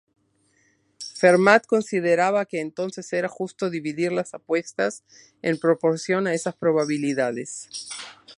Fermat consideraba que entonces era justo dividir las apuestas en proporción a esas probabilidades.